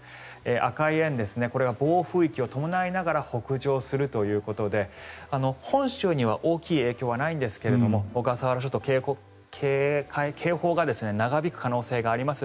赤い円、これは暴風域を伴いながら北上するということで本州には大きい影響はないんですが小笠原諸島、警報が長引く可能性があります。